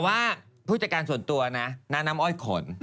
ว่าผู้จัดการส่วนตัวนะน้าน้ำอ้อยขน